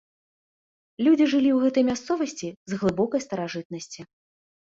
Людзі жылі ў гэтай мясцовасці з глыбокай старажытнасці.